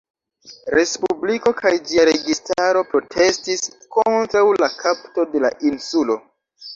Respubliko kaj ĝia registaro protestis kontraŭ la kapto de la insulo.